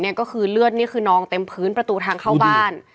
ก็คือเลือดนี่คือนองเต็มพื้นประตูทางเข้าบ้าน